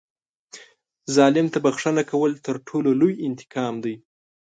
ظالم ته بښنه کول تر ټولو لوی انتقام دی.